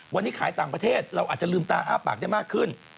วันนี้ขายต่างประเทศเราอาจจะลืมตาอ้าปากได้มากขึ้น